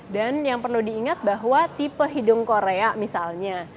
dan yang perlu diingat bahwa tipe hidung korea misalnya